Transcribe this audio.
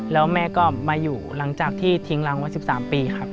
แล้วแม่ก็มาอยู่หลังจากที่ทิ้งรังไว้๑๓ปีครับ